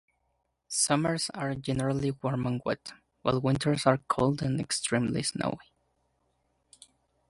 Summers are generally warm and wet, while winters are cold and extremely snowy.